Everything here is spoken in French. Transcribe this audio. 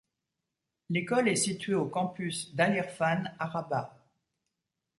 L'école est située au campus d'Al Irfane à Rabat.